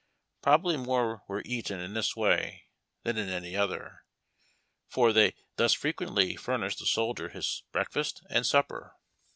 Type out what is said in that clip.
Probably more were eaten in this way than in any other, for they thus frequently fur nished the soldier his breakfast and supper.